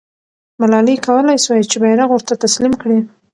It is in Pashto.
ملالۍ کولای سوای چې بیرغ ورته تسلیم کړي.